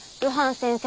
先生！